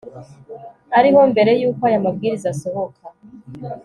ariho mbere y uko aya mabwiriza asohoka